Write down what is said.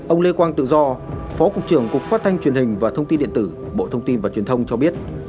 ông lê quang tự do phó cục trưởng cục phát thanh truyền hình và thông tin điện tử bộ thông tin và truyền thông cho biết